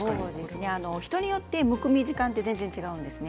人によってむくみ時間が全然違うんですね。